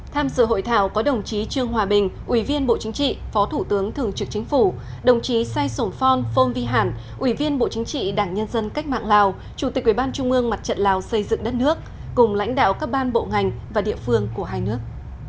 tham dự hội thảo có đồng chí trương hòa bình ủy viên bộ chính trị phó thủ tướng thường trực chính phủ đồng chí sai sổn phong phong vi hản ủy viên bộ chính trị đảng nhân dân cách mạng lào chủ tịch ủy ban trung ương mặt trận lào xây dựng đất nước cùng lãnh đạo các ban bộ ngành và địa phương của hai nước